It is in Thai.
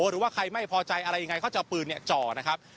หรือว่าใครไม่พอใจอะไรยังไงเขาจะเอาปืนจ่อนะครับ